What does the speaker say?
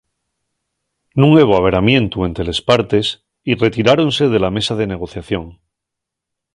Nun hebo averamientu ente les partes y retiráronse de la mesa de negociación.